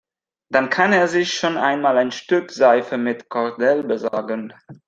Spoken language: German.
Dann kann er sich schon einmal ein Stück Seife mit Kordel besorgen.